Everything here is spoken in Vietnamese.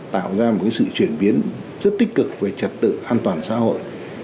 tạo ra một sự chuyển biến rất tích cực về trật tự an toàn xã hội